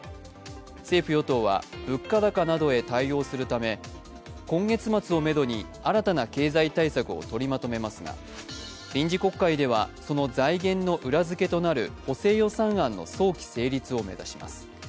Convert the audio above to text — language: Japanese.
政府・与党は物価高などへ対応するため今月末をめどに新たな経済対策を取りまとめますが臨時国会ではその財源の裏付けとなる補正予算案の早期成立を目指します。